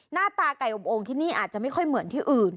หน้าตาไก่อบโอ่งที่นี่อาจจะไม่ค่อยเหมือนที่อื่น